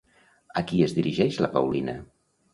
A qui es dirigeix la Paulina?